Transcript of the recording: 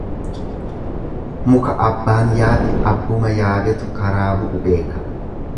Muka abbaan yaabe abbuma yaabetu karaa bu'u beeka.